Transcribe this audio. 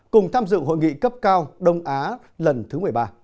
cùng tham dự hội nghị cấp cao đông á lần thứ một mươi ba